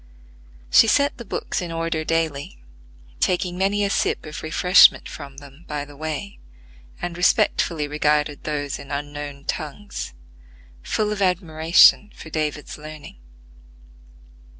She set the books in order daily, taking many a sip of refreshment from them by the way, and respectfully regarded those in unknown tongues, full of admiration for David's learning.